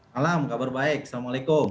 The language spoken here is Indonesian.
salam kabar baik assalamualaikum